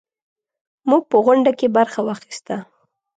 موږ په غونډه کې برخه واخیسته.